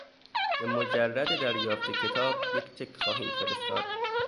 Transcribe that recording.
به مجرد دریافت کتاب یک چک خواهیم فرستاد.